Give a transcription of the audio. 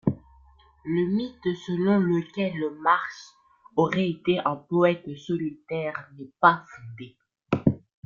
Le mythe selon lequel March aurait été un poète solitaire n'est pas fondé.